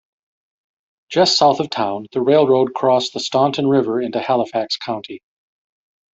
Just south of town, the railroad crossed the Staunton River into Halifax County.